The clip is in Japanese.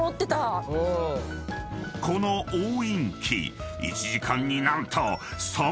［この押印機］